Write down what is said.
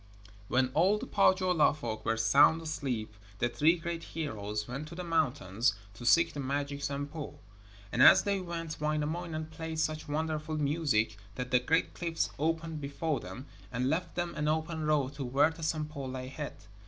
When all the Pohjola folk were sound asleep the three great heroes went to the mountains to seek the magic Sampo. And as they went Wainamoinen played such wonderful music that the great cliffs opened before them, and left them an open road to where the Sampo lay hid.